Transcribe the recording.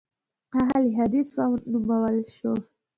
اهل حدیث ونومول شوه.